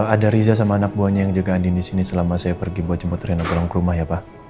ada riza sama anak buahnya yang juga andin di sini selama saya pergi buat jemput renogorong ke rumah ya pak